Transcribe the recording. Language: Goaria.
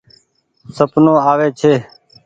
سپنو آوي ڇي۔